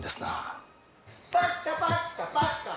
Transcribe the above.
パッカパッカパッカ。